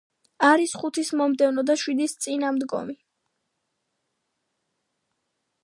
არის ხუთის მომდევნო და შვიდის წინამდგომი.